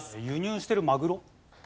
輸入してるマグロ。